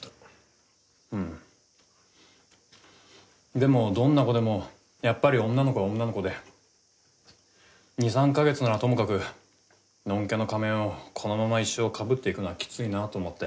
でもどんな子でもやっぱり女の子は女の子で２３か月ならともかくノンケの仮面をこのまま一生かぶっていくのはきついなと思って。